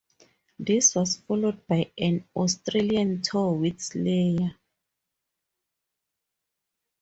This was followed by an Australian tour with Slayer.